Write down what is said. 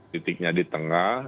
titiknya di tengah